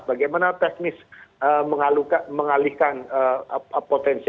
bagaimana teknis mengalihkan potensial